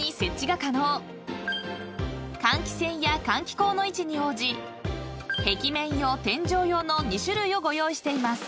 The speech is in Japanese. ［換気扇や換気口の位置に応じ壁面用天井用の２種類をご用意しています］